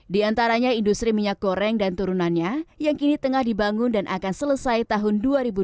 di antaranya industri minyak goreng dan turunannya yang kini tengah dibangun dan akan selesai tahun dua ribu dua puluh